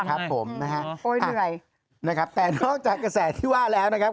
ครับผมนะฮะโอ้ยเหนื่อยนะครับแต่นอกจากกระแสที่ว่าแล้วนะครับ